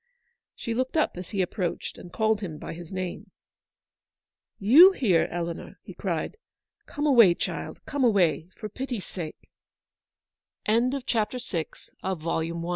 She looked up as he approached, and called him by his name. "You here, Eleanor?" he cried. u Come away, child ; come away, for pity's sake ! n VOL. I. CHAPTER VII. SUSPENSE.